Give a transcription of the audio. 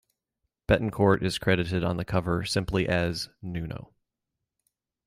Bettencourt is credited on the cover simply as "Nuno".